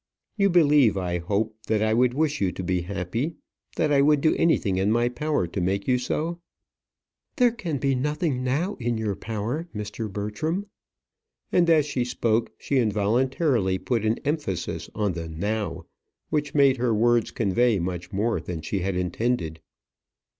"You believe, I hope, that I would wish you to be happy; that I would do anything in my power to make you so?" "There can be nothing now in your power, Mr. Bertram." And as she spoke she involuntarily put an emphasis on the now, which made her words convey much more than she had intended.